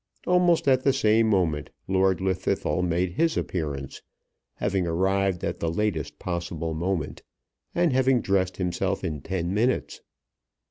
Almost at the same moment Lord Llwddythlw made his appearance, having arrived at the latest possible moment, and having dressed himself in ten minutes.